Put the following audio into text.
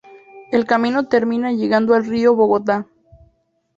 El camino termina llegando al río Bogotá.